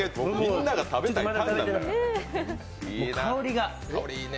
香りが。